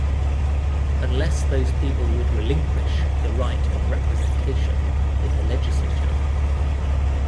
unless those people would relinquish the right of Representation in the Legislature